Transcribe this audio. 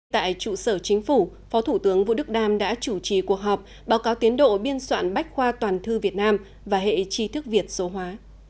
tại trụ sở chính phủ phó thủ tướng vũ đức đam đã chủ trì cuộc họp báo cáo tiến độ biên soạn bách khoa toàn thư việt nam và hệ chi thức việt số hóa